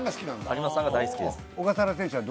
有村さんが大好きです